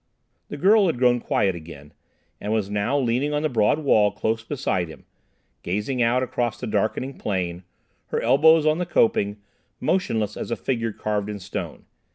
The girl had grown quiet again, and was now leaning on the broad wall close beside him, gazing out across the darkening plain, her elbows on the coping, motionless as a figure carved in stone.